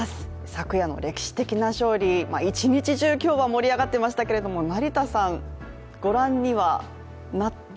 昨夜の歴史的な勝利、一日中、今日は盛り上がっていましたけれども、成田さん、ご覧にはなって？